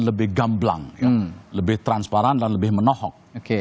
lebih gamblang lebih transparan dan lebih menohok